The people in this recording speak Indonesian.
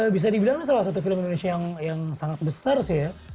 bisa dibilang ini salah satu film indonesia yang sangat besar sih ya